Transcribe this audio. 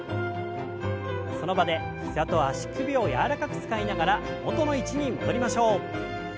その場で膝と足首を柔らかく使いながら元の位置に戻りましょう。